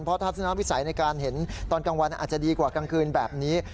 เพราะทัศนวิสัยในการเห็นตอนกลางวันอาจจะดีกว่ากลางคืนแบบนี้